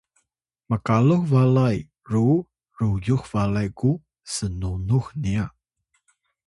mkalux balay ru ruyux balay ku snunux nya